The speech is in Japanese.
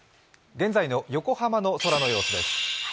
現在の横浜の空の様子です。